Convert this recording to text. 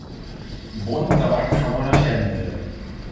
Bon tabac fa bona cendra.